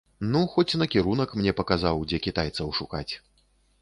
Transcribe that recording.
Ну, хоць накірунак мне паказаў, дзе кітайцаў шукаць.